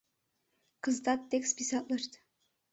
— Кызытат тек списатлышт.